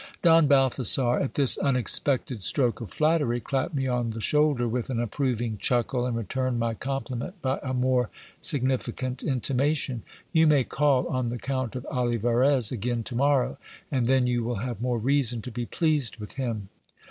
Don Balthasar, at this unexpected stroke of flattery, clapped me on the shoul OLIVAREZ TAKES GIL BLAS EXTO FA VOUR. 399 der with an approving chuckle, and returned my compliment by a more signifi cant intimation : You may call on the Count of Olivarez again to morrow, and then you will have more reason to be pleased with him.